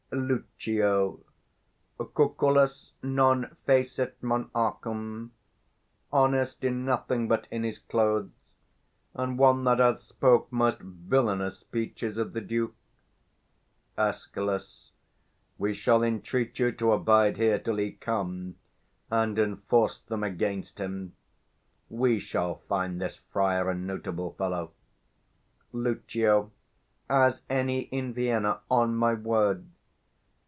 260 Lucio. 'Cucullus non facit monachum:' honest in nothing but in his clothes; and one that hath spoke most villanous speeches of the Duke. Escal. We shall entreat you to abide here till he come, and enforce them against him: we shall find this friar a 265 notable fellow. Lucio. As any in Vienna, on my word.